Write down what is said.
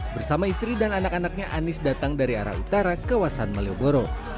bersama istri dan anak anaknya anies datang dari arah utara kawasan malioboro